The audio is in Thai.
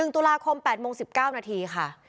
๑ตุลาคม๘โมง๑๙นาทีค่ะ